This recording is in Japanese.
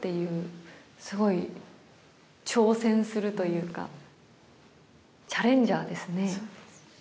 すごい挑戦するというかチャレンジャーですね。